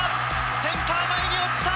センター前に落ちた。